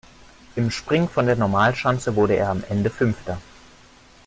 Im Springen von der Normalschanze wurde er am Ende Fünfter.